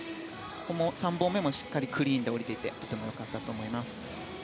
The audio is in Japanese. ３本目のしっかりクリーンで降りていて良かったと思います。